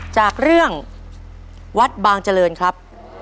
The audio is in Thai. จากเรื่องวัดบางเจริญครับ